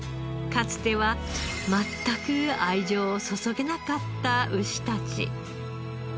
かつては全く愛情を注げなかった牛たち。